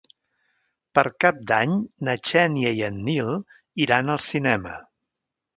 Per Cap d'Any na Xènia i en Nil iran al cinema.